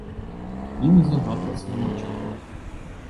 Ім і загадваць няма чаго.